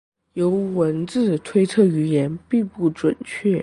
由文字推测语言并不准确。